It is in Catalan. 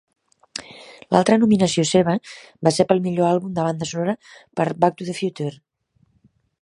L'altra nominació seva va ser pel Millor Àlbum de Banda Sonora per Back to the Future.